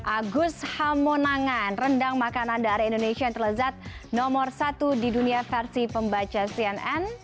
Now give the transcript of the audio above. agus hamonangan rendang makanan dari indonesia yang terlezat nomor satu di dunia versi pembaca cnn